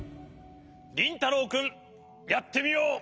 りんたろうくんやってみよう！